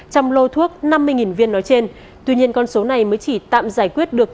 trong lô thuốc năm mươi viên nói trên tuy nhiên con số này mới chỉ tạm giải quyết được